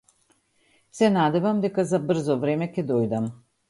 Се надевам дека за брзо време ќе дојдам.